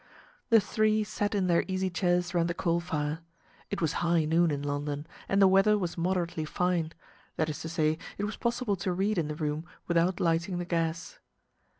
The three sat in their easy chairs round the coal fire. It was high noon in London, and the weather was moderately fine; that is to say, it was possible to read in the room without lighting the gas.